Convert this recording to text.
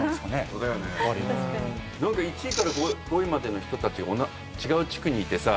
１位から５位までの人たち違う地区にいてさ。